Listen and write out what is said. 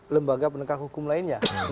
lembaga penegak hukum lainnya